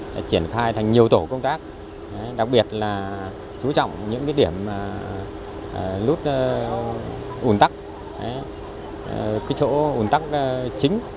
để triển khai thành nhiều tổ công tác đặc biệt là chú trọng những điểm lút ủn tắc chỗ ủn tắc chính